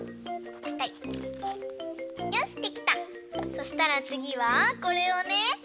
そしたらつぎはこれをね